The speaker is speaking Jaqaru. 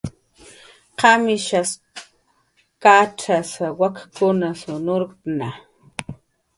¿Qamishas kacxasa, wak'askun nurktnqa?